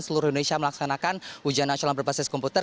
seluruh indonesia melaksanakan ujian nasional berbasis komputer